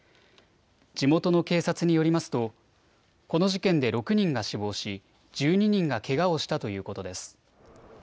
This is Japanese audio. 地元の警察によりますとこの事件で６人が死亡し１２人がけがをしたということです。